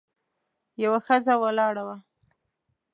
یوه ښځه ولاړه وه.